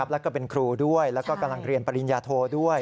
แล้วก็เป็นครูด้วยแล้วก็กำลังเรียนปริญญาโทด้วย